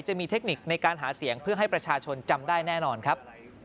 จะมีเทคนิคในการหาเสียงเพื่อให้ประชาชนจำได้แน่นอนครับ